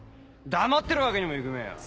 黙ってるわけにもいくめぇよ。